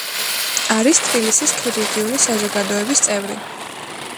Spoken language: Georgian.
არის თბილისის ქირურგიული საზოგადოების წევრი.